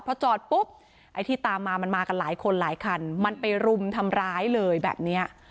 พอจอดปุ๊บไอ้ที่ตามมามันมากันหลายคนหลายคันมันไปรุมทำร้ายเลยแบบเนี้ย